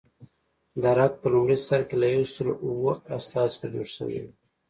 درګ په لومړي سر کې له یو سل اوه استازو څخه جوړ شوی و.